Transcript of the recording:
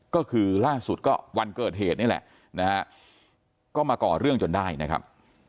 ก็คือล่าสุดก็วันเกิดเหตุนี่แหละนะฮะก็มาก่อเรื่องจนได้นะครับ